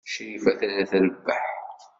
Crifa tella trebbeḥ.